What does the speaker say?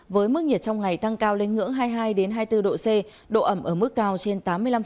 với mức nhiệt trong ngày tăng cao lên ngưỡng hai mươi hai hai mươi bốn độ c độ ẩm ở mức cao trên tám mươi năm